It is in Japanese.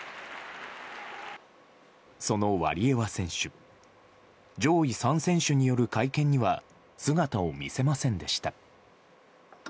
そのワリエワ選手上位３選手による会見には姿を見せませんでした。